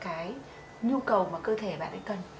cái nhu cầu mà cơ thể bạn ấy cần